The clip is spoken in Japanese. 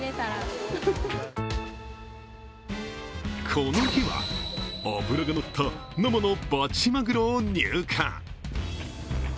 この日は、脂がのった生のバチマグロを入荷。